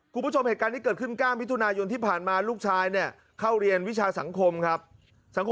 ครูผู้ชมเหตุการณ์ที่เกิดขึ้นก้ามวิทุนายนที่ผ่านมา